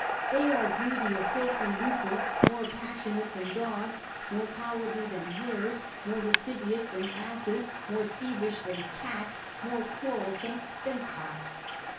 ' They are greedy of filthy lucre, more passionate than dogs, more cowardly than hares, more lascivious than asses, more thievish than cats, more quarrelsome than cocks.'